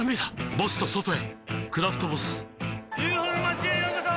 ボスと外へ「クラフトボス」ＵＦＯの町へようこそ！